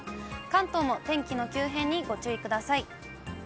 関東も天気の急変にご注意ください。